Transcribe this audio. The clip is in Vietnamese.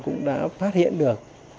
cũng đã phát hiện được